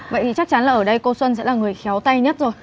vậy thì chắc chắn là ở đây cô xuân sẽ là người khéo tay nhất rồi